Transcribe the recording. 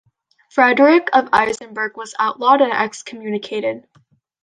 Frederick of Isenberg was outlawed and excommunicated.